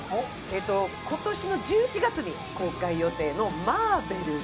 今年の１１月に公開予定の「マーベルズ」。